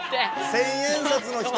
千円札の人